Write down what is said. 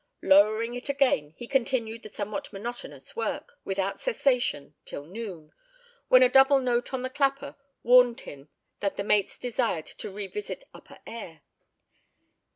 Lowering it again he continued the somewhat monotonous work, without cessation, till noon, when a double note on the clapper warned him that his mates desired to revisit upper air.